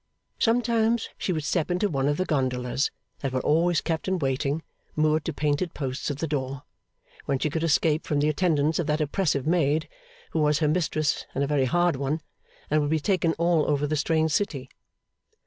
Sometimes she would step into one of the gondolas that were always kept in waiting, moored to painted posts at the door when she could escape from the attendance of that oppressive maid, who was her mistress, and a very hard one and would be taken all over the strange city.